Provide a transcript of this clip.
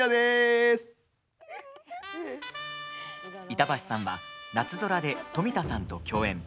板橋さんは「なつぞら」で富田さんと共演。